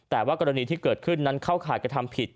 แต่ว่ากรณีที่เกิดขึ้นนั้นเข้าข่ายกระทำผิด